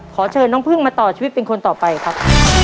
ขอเชิญน้องพึ่งมาต่อชีวิตเป็นคนต่อไปครับ